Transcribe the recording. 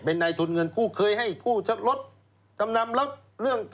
เป็นในทุนเงินกู้เคยให้กู้จะลดกำนำแล้ว